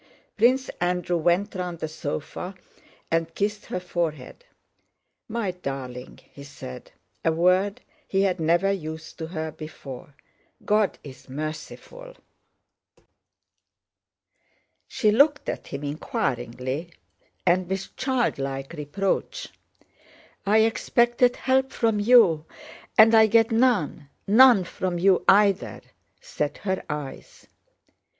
Prince Andrew went round the sofa and kissed her forehead. "My darling!" he said—a word he had never used to her before. "God is merciful...." She looked at him inquiringly and with childlike reproach. "I expected help from you and I get none, none from you either!" said her eyes.